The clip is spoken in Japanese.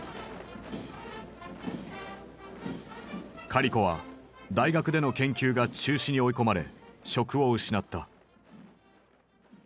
カリコは大学での研究が中止に追い込まれ職を失った。